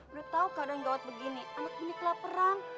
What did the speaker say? udah tau kakak gawat begini amat benih kelaparan